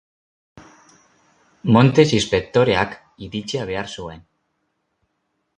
Montes inspektoreak iritsia behar zuen.